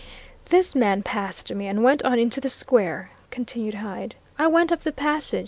"This man passed me and went on into the square," continued Hyde. "I went up the passage.